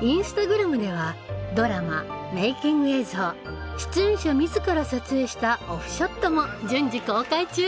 インスタグラムではドラマメイキング映像出演者自ら撮影したオフショットも順次公開中。